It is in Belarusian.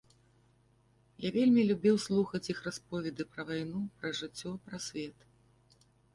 Я вельмі любіў слухаць іх расповеды пра вайну, пра жыццё, пра свет.